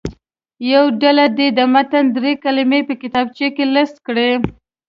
یوه ډله دې د متن دري کلمې په کتابچو کې لیست کړي.